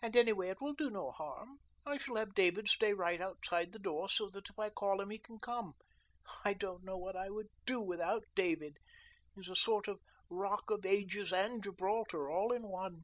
And anyway it will do it no harm. I shall have David stay right outside the door so that if I call him he can come. I don't know what I would do without David. He is a sort of Rock of Ages and Gibraltar all in one."